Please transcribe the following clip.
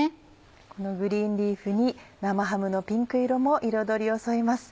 このグリーンリーフに生ハムのピンク色も彩りを添えます。